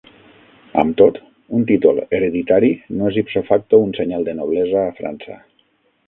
Amb tot, un títol hereditari no és "ipso facto", un senyal de noblesa a França.